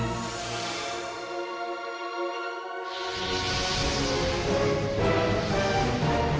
aku akan mencari siapa saja yang bisa membantu kamu